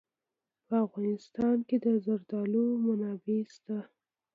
په افغانستان کې د زردالو منابع شته.